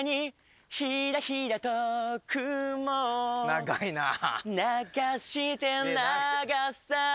長いなぁ。